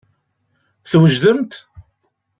Twejdemt?